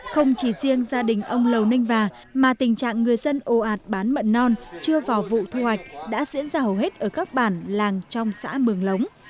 không chỉ riêng gia đình ông lầu ninh và mà tình trạng người dân ồ ạt bán mận non chưa vào vụ thu hoạch đã diễn ra hầu hết ở các bản làng trong xã mường lống